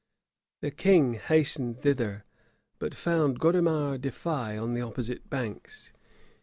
[] The king hastened thither, but found Godemar de Faye on the opposite banks.